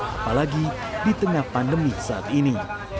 apalagi di tengah pandemi saat ini